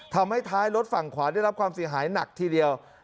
ทำให้ท้ายรถฝั่งขวาได้รับความเสียหายหนักทีเดียว